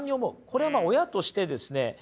これは親としてですね